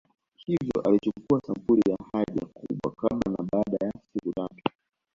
Hivyo alichukua sampuli ya haja kubwa kabla na baada ya siku tatu